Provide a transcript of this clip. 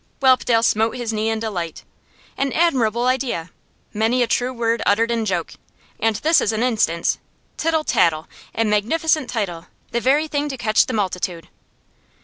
Whelpdale smote his knee in delight. 'An admirable idea! Many a true word uttered in joke, and this is an instance! Tittle Tattle a magnificent title; the very thing to catch the multitude.